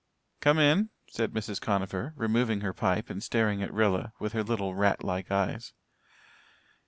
"Come in," said Mrs. Conover, removing her pipe and staring at Rilla with her little, rat like eyes.